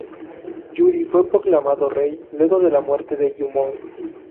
Yuri fue proclamado rey luego de la muerte de Jumong.